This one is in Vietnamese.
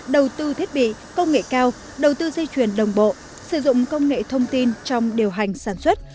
đầu tư thiết bị công nghệ cao đầu tư dây chuyền đồng bộ sử dụng công nghệ thông tin trong điều hành sản xuất